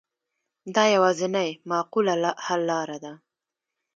دا یوازینۍ معقوله حل لاره ده.